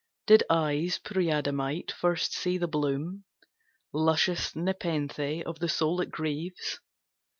Did eyes preadamite first see the bloom, Luscious nepenthe of the soul that grieves?